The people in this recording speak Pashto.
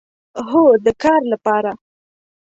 هو، د کار لپاره